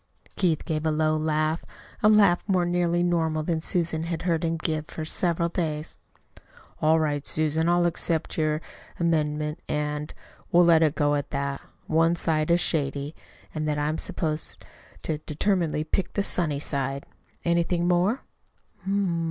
Keith gave a low laugh a laugh more nearly normal than Susan had heard him give for several days. "All right, Susan, I'll accept your amendment and we'll let it go that one side is shady, and that I'm supposed to determinedly pick the sunny side. Anything more?"